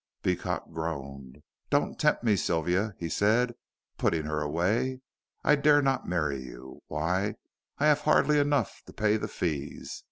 Beecot groaned. "Don't tempt me, Sylvia," he said, putting her away, "I dare not marry you. Why, I have hardly enough to pay the fees.